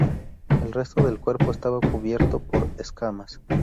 El resto del cuerpo estaba cubierto por escamas.